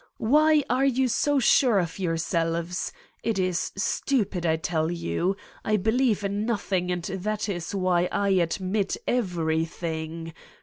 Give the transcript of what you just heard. Why are you so sure of yourselves? It is stupid, I tell you. I believe in nothing and that is why I admit everything.